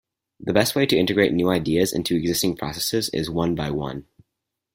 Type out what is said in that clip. The best way to integrate new ideas into existing processes is one-by-one.